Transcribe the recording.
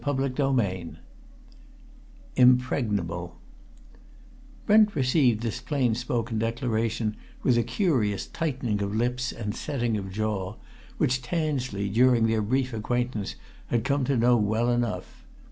CHAPTER XVII IMPREGNABLE Brent received this plain spoken declaration with a curious tightening of lips and setting of jaw which Tansley, during their brief acquaintance, had come to know well enough.